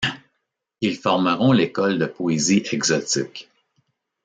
Ils formeront l'école de poésie exotique.